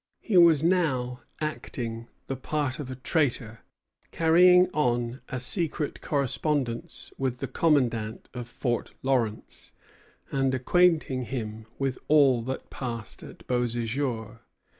He was now acting the part of a traitor, carrying on a secret correspondence with the commandant of Fort Lawrence, and acquainting him with all that passed at Beauséjour.